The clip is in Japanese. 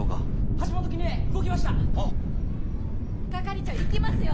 係長行きますよ。